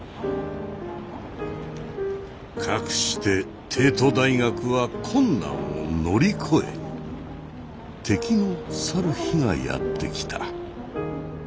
かくして帝都大学は困難を乗り越え敵の去る日がやって来た。